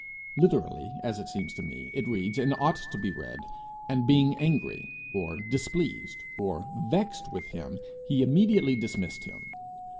Literally, as it seems to me, it reads, and ought to be read, 'And being angry' or 'displeased' or 'vexed' 'with him, he immediately dismissed him.'